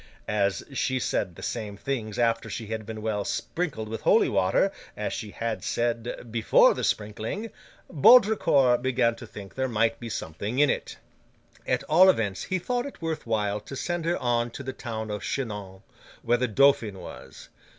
As she said the same things after she had been well sprinkled with holy water as she had said before the sprinkling, Baudricourt began to think there might be something in it. At all events, he thought it worth while to send her on to the town of Chinon, where the Dauphin was.